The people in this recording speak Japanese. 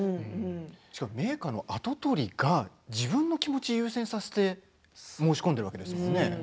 しかも名家の跡取りが自分の気持ちを優先させて申し込んでいるわけですよね。